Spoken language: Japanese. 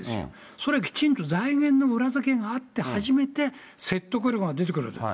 それ、きちんと財源の裏付けがあって初めて、説得力が出てくるんですよ。